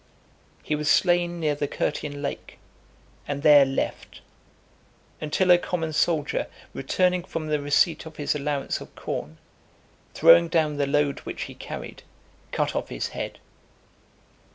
He was slain near the Curtian Lake , and there left, until a common soldier returning from the receipt of his allowance of corn, throwing down the load which he carried, cut off his head.